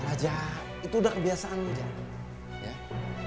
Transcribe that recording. alah je itu udah kebiasaan lo je